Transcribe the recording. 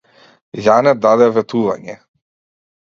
Јане даде ветување.